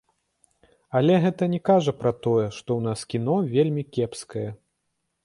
Але гэта не кажа пра тое, што ў нас кіно вельмі кепскае.